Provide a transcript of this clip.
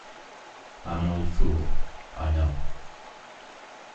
I’m an old fool, I know.